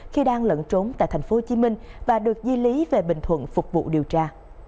khi đang lận trốn tại tp hcm và được di lý về bình thuận phục vụ điều tra